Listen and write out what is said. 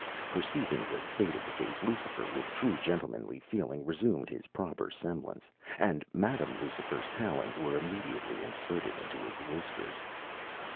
Perceiving the state of the case, Lucifer with true gentlemanly feeling resumed his proper semblance, and Madam Lucifer’s talons were immediately inserted into his whiskers.